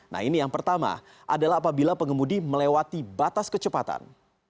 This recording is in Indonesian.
nah ini yang pertama adalah apabila pengemudi melewati batas kecepatan